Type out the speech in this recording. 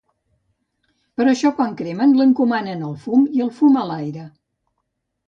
Per això, quan cremen, l’encomanen al fum, i el fum a l’aire.